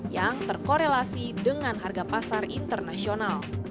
yang terkorelasi dengan harga pasar internasional